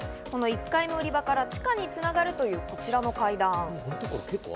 この１階の売り場から地下に繋がるというこちらの階段。